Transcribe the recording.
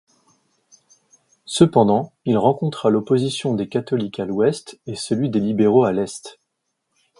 Cependant, il rencontra l'opposition des catholiques à l'Ouest et celui des libéraux à l'Est.